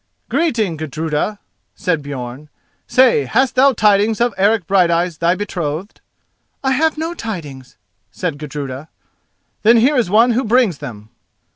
"Greeting, Gudruda," said Björn; "say, hast thou tidings of Eric Brighteyes, thy betrothed?" "I have no tidings," said Gudruda. "Then here is one who brings them."